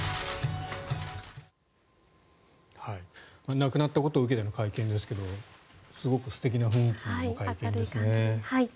亡くなったことを受けての会見ですがすごく素敵な雰囲気の会見ですね。